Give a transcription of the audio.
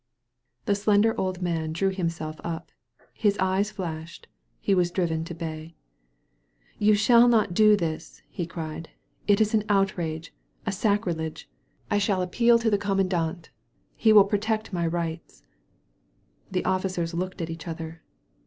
The slender old man drew himself up, his eyes flashed, he was driven to bay. "You shall not do this," he cried. "It is an outrage, a sacrilege. I shall appeal to the com mandant. He will protect my rights." The officers looked at each other.